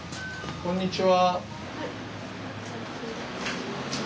こんにちは。